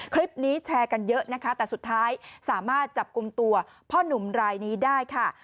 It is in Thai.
คลิปนี้แชร์กันเยอะนะคะแต่สุดท้ายสามารถจับกลุ่มตัวพ่อหนุ่มรายนี้ได้ค่ะ